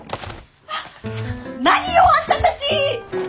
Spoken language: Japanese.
あっ何よあんたたち！